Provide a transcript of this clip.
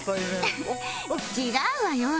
違うわよ！